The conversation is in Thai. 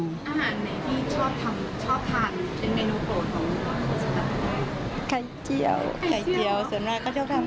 อาหารไหนที่ชอบทำชอบทานเป็นเมนูโปรดของคุณพ่อคุณแม่